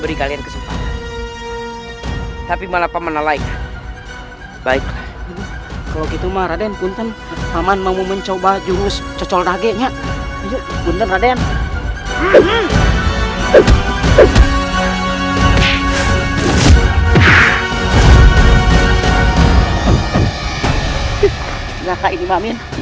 iya selassie jika tidak ada kamu